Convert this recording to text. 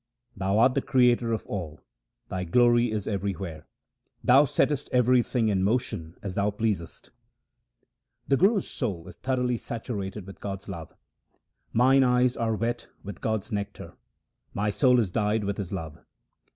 Thou art the Creator of all, Thy glory is every where ; Thou settest everything in motion as Thou pleasest. HYMNS OF GURU RAM DAS 315 The Guru's soul is thoroughly saturated with God's love :— Mine eyes are wet with God's nectar ; my soul is dyed with His love.